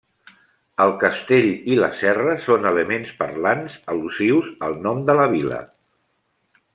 El castell i la serra són elements parlants al·lusius al nom de la vila.